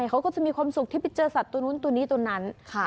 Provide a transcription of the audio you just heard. เขาก็จะมีความสุขที่ไปเจอสัตว์ตัวนู้นตัวนี้ตัวนั้น